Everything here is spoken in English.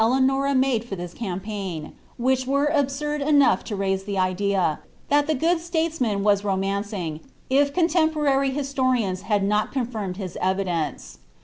Ieanom made for this campaign, which were nl • lo raise the idea, that tiie good Elatcsman was romancing, if ciii'^ ni^ lary historians had not conlirmed his evidence.